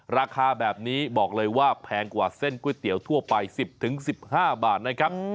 ราคาแบบนี้บอกเลยว่าแพงกว่าเส้นก๋วยเตี๋ยวทั่วไป๑๐๑๕บาทนะครับ